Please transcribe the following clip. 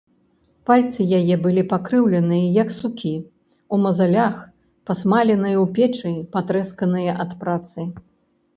Пальцы яе былі пакрыўлены, як сукі, у мазалях, пасмаленыя ў печы, патрэсканыя ад працы.